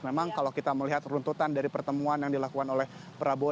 memang kalau kita melihat runtutan dari pertemuan yang dilakukan oleh prabowo